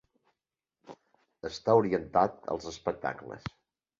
Està orientat als espectacles.